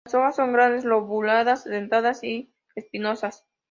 Las hojas son grandes, lobuladas, dentadas y espinosas.